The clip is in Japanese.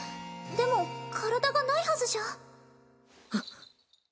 でも体がないはずじゃはっ！